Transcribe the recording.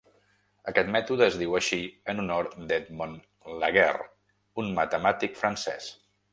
Aquest mètode es diu així en honor d'Edmond Laguerre, un matemàtic francès.